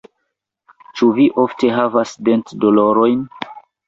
Ĉu vi ofte havas dentdolorojn?